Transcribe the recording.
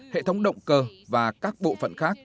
hệ thống động cơ và các bộ phận khác